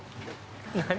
何？